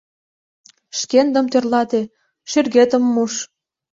— Шкендым тӧрлате, шӱргетым муш.